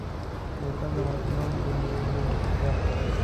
بوتل د ماشوم د لوبو برخه ده.